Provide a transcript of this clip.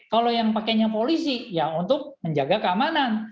kalau yang pakainya polisi ya untuk menjaga keamanan